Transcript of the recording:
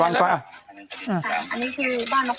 อันนี้คือบ้านนกดาวค่ะ